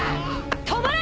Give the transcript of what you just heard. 止まれ！